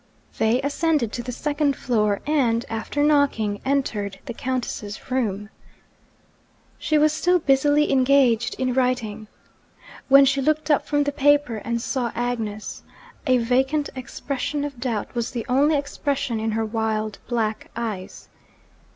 They ascended to the second floor, and, after knocking, entered the Countess's room. She was still busily engaged in writing. When she looked up from the paper, and saw Agnes, a vacant expression of doubt was the only expression in her wild black eyes.